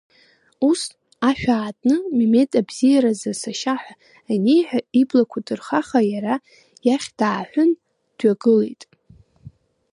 Ус, ашә аатны, Мемед Абзиаразы сашьа ҳәа аниеиҳәа иблақәа ҭырхаха иара иахь дааҳәын, дҩагылеит.